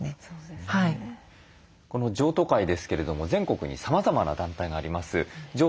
この譲渡会ですけれども全国にさまざまな団体があります。